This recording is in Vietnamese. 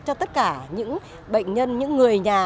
cho tất cả những bệnh nhân những người nhà